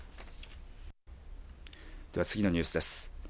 では、次のニュースです。